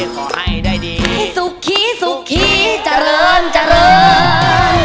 ให้สุขี้สุขี้เจริญเจริญ